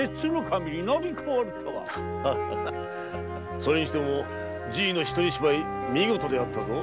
それにしてもじいの独り芝居見事であったぞ。